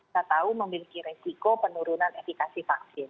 kita tahu memiliki resiko penurunan efekasi vaksin